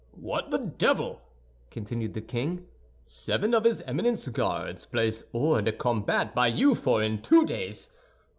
"What the devil!" continued the king. "Seven of his Eminence's Guards placed hors de combat by you four in two days!